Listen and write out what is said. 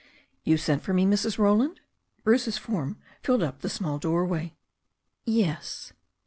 "You sent for me, Mrs. Roland?" Bruce's form filled up the small doorway. "Yes."